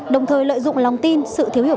đồng thời lợi dụng lòng tin sự thiếu hiểu